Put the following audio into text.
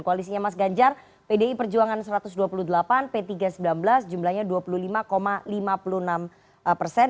koalisinya mas ganjar pdi perjuangan satu ratus dua puluh delapan p tiga sembilan belas jumlahnya dua puluh lima lima puluh enam persen